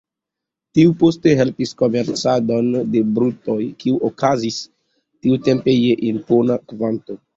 Tiu poste helpis komercadon de brutoj, kiu okazis tiutempe je impona kvanto.